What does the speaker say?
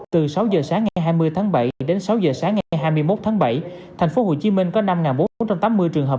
từ sáu h sáng ngày hai mươi tháng bảy đến sáu h sáng ngày hai mươi một tháng bảy thành phố hồ chí minh có năm bốn trăm tám mươi trường hợp